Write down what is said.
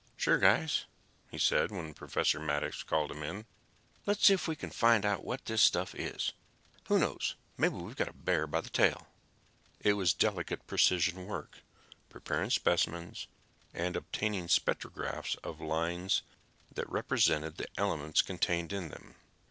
"Sure, Guys," he said, when Professor Maddox called him in. "Let's see if we can find out what this stuff is. Who knows? Maybe we've got a bear by the tail." It was delicate precision work, preparing specimens and obtaining spectrographs of the lines that represented the elements contained in them.